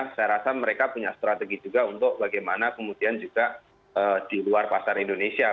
saya rasa mereka punya strategi juga untuk bagaimana kemudian juga di luar pasar indonesia